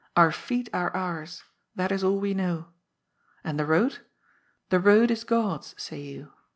Oar feet are ours. That is all we know. And the road ? The road is God's, say you.